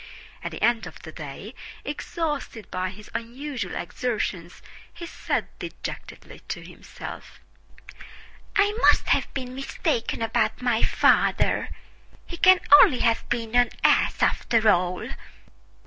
At the end of the day, exhausted by his unusual exertions, he said dejectedly to himself, "I must have been mistaken about my father; he can only have been an ass after all."